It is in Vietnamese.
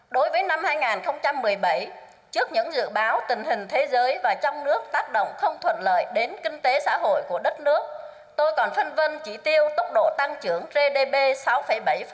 đối với năm hai nghìn một mươi bảy trước những dự báo tình hình thế giới và trong nước tác động không thuận lợi đến kinh tế xã hội của đất nước tôi còn phân vân chỉ tiêu tốc độ tăng trưởng gdp sáu bảy